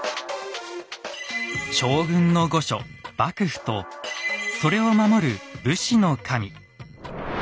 将軍の御所幕府とそれを守る武士の神。